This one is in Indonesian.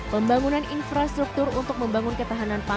pembangunan infrastruktur untuk membangun ketahanan pangan